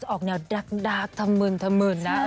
ออกแนวดักถมืนนะเอ่ย